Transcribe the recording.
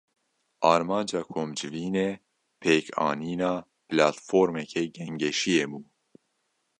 Armanca komcivînê, pêkanîna platformeke gengeşiyê bû